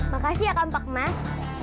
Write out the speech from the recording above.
makasih ya kampak emas